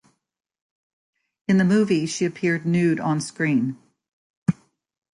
In the movie, she appeared nude on-screen.